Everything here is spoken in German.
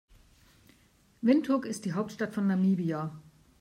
Windhoek ist die Hauptstadt von Namibia.